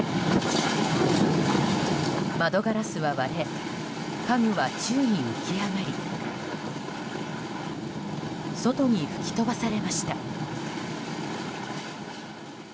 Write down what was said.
窓ガラスは割れ家具は宙に浮き上がり外に吹き飛ばされました。